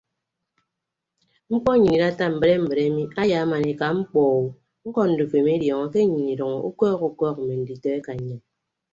Mkpọ nnyịn idatta mbre mbre mi ayaaman eka mkpọ o ñkọ ndufo emediọñọ ke nnyịn idʌño ukọọk ukọọk mme nditọ eka nnyịn.